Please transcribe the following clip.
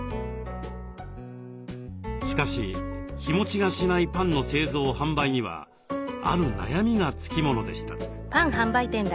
しかし日もちがしないパンの製造販売にはある悩みがつきものでした。